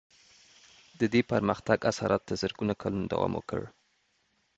د دې پرمختګ اثرات تر زرګونو کلونو دوام وکړ.